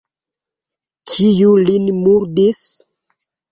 Kiu lin murdis?